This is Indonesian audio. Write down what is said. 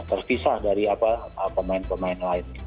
terpisah dari pemain pemain lain